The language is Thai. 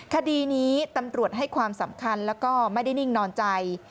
คดีนี้ตำรวจให้ความสำคัญแล้วก็ไม่ได้นิ่งนอนใจ